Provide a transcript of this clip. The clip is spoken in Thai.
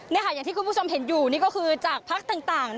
อย่างที่คุณผู้ชมเห็นอยู่นี่ก็คือจากพักต่าง